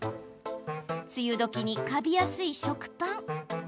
梅雨どきにカビやすい食パン。